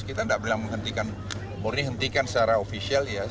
kita enggak bilang menghentikan murni hentikan secara ofisial ya